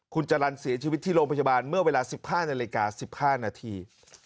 คุณจรรย์เสียชีวิตที่โรงพยาบาลเมื่อเวลา๑๕นาฬิกา๑๕นาที